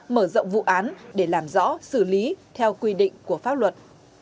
mở rộng vụ án để làm rõ xử lý theo quy định của pháp luật